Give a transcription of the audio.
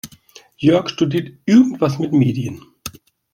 Jörg studiert irgendwas mit Medien.